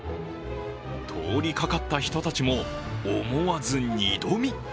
通りかかった人たちも思わず二度見。